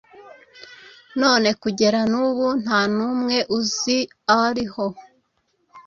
none kugera nubu ntanumwe uzi ariho